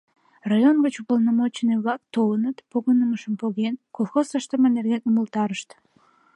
Район гыч уполномоченный-влак толыныт, погынымашым поген, колхоз ыштыме нерген умылтарышт.